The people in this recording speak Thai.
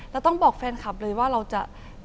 ต้องบอกแฟนคลับเลยว่าเราจะ